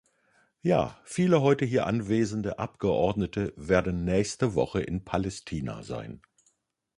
Ja, viele heute hier anwesende Abgeordnete werden nächste Woche in Palästina sein.